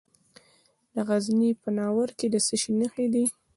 د غزني په ناور کې د څه شي نښې دي؟